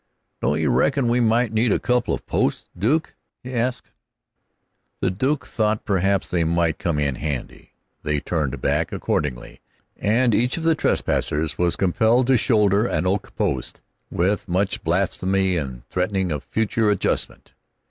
"Don't you reckon we might need a couple of posts, Duke?" he asked. The Duke thought perhaps they might come in handy. They turned back, accordingly, and each of the trespassers was compelled to shoulder an oak post, with much blasphemy and threatening of future adjustment.